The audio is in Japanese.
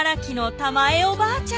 ハウばあちゃん